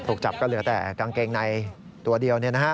ถูกจับก็เหลือแต่กางเกงในตัวเดียวเนี่ยนะฮะ